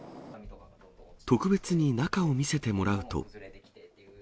特別に中を見せてもらうと。